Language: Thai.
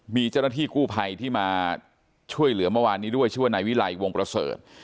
มีเจ้าหน้าที่กู้ภัยที่มาช่วยเหลือเมื่อวานนี้ด้วยชื่อว่านายวิไลวงประเสริฐ